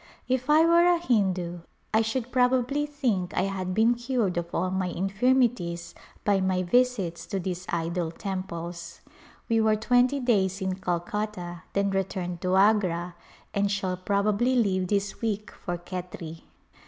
If I were a Hindu I should prob ably think I had been cured of all my infirmities by my visits to these idol temples. We were twenty days in Calcutta, then returned to Agra and shall prob ably leave this week for Khetri.